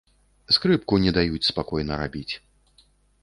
Скрыпку не даюць спакойна рабіць.